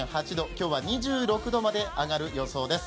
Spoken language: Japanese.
今日は２６度まで上がる予想です。